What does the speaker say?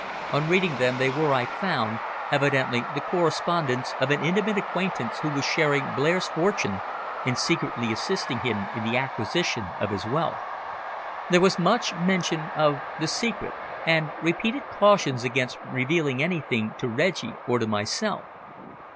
On reading them they were, I found, evidently the correspondence of an intimate acquaintance who was sharing Blair's fortune and secretly assisting him in the acquisition of his wealth. There was much mention of "the secret," and repeated cautions against revealing anything to Reggie or to myself.